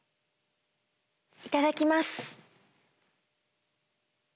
いただきます。